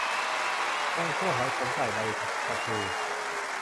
แกงคั่วหอยขม ใส่ใบชะพลู